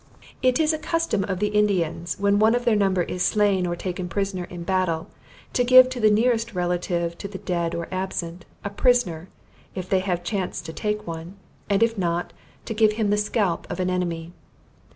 It is a custom of the Indians, when one of their number is slain or taken prisoner in battle, to give to the nearest relative to the dead or absent, a prisoner, if they have chanced to take one, and if not, to give him the scalp of an enemy.